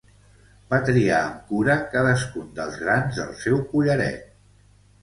Va triar amb cura cadascun dels grans del seu collaret.